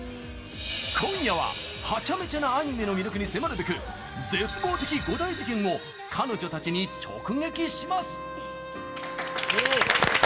今夜はハチャメチャなアニメの魅力に迫るべく絶望的五大事件を彼女たちに直撃します！